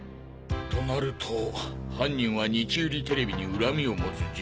となると犯人は日売テレビに恨みを持つ人物か。